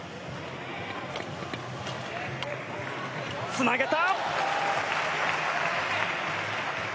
つなげた！